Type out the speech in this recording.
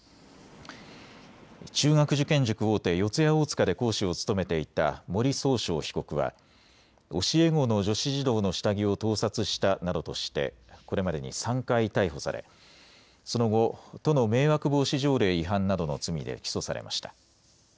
中学受験塾大手、四谷大塚で講師を務めていた森崇翔被告は教え子の女子児童の下着を盗撮したなどとしてこれまでに３回逮捕されその後、都の迷惑防止条例違反などの罪で起訴されました。